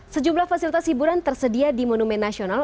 sejumlah fasilitas hiburan tersedia di monumen nasional